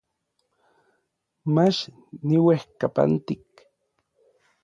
Mach niuejkapantik.